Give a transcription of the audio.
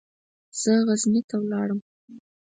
زه غزني ته ولاړم.